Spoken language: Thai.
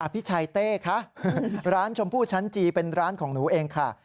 พี่ชัยเต้คะร้านชมพู่ชั้นจีเป็นร้านของหนูเองค่ะ